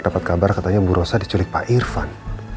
dapat kabar katanya bu rosa diculik pak irfan